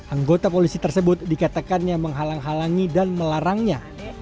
anggota polisi tersebut dikatakannya menghalang halangi dan melarangnya